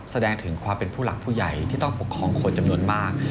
แสดงถึงความเป็นผู้หลักผู้ใหญ่ที่ต้องปกครองคนจำนวนมาก